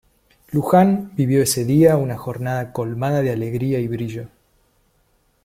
Luján vivió ese día una jornada colmada de alegría y brillo.